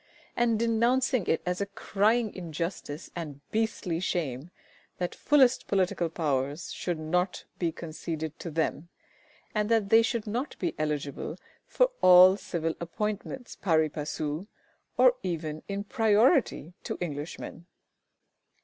and denouncing it as a crying injustice and beastly shame that fullest political powers should not be conceded to them, and that they should not be eligible for all civil appointments pari passu, or even in priority to Englishmen.